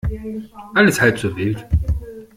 Alles halb so wild.